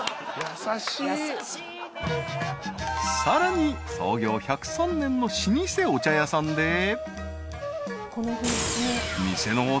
［さらに創業１０３年の老舗お茶屋さんで］